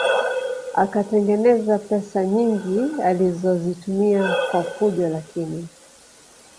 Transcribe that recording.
Akatengeneza pesa nyingi alizozitumia kwa fujo lakini